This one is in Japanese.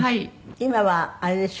今はあれでしょ？